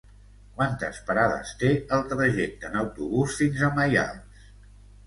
Quantes parades té el trajecte en autobús fins a Maials?